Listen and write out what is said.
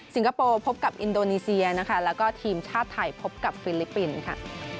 คโปร์พบกับอินโดนีเซียนะคะแล้วก็ทีมชาติไทยพบกับฟิลิปปินส์ค่ะ